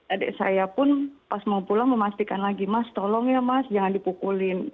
adik saya pun pas mau pulang memastikan lagi mas tolong ya mas jangan dipukulin